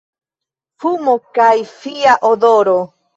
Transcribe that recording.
Fumo kaj fia odoro.